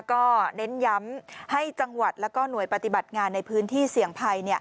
ก็เน้นย้ำให้จังหวัดและหน่วยปฏิบัติงานในพื้นที่เสี่ยงภัย